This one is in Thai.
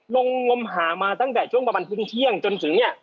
งมหามาตั้งแต่ช่วงประมาณทุ่มเที่ยงจนถึงเนี่ย